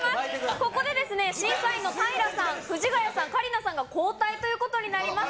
ここでですね、審査員の平さん、藤ヶ谷さん、香里奈さんが交代ということになります。